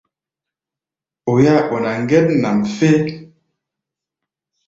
Oi-áa ɓɔná ŋgɛt nʼam fé.